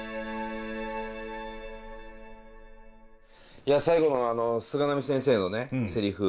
いや最後の菅波先生のねせりふ。